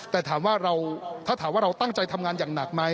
แต่ถามว่าถ้าถามว่าเราตั้งใจทำงานอย่างหนักไหม